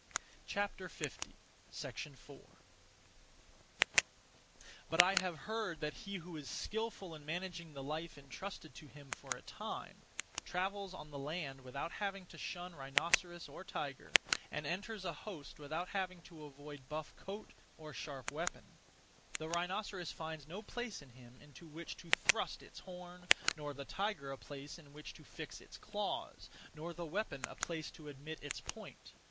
4. But I have heard that he who is skilful in managing the life entrusted to him for a time travels on the land without having to shun rhinoceros or tiger, and enters a host without having to avoid buff coat or sharp weapon. The rhinoceros finds no place in him into which to thrust its horn, nor the tiger a place in which to fix its claws, nor the weapon a place to admit its point.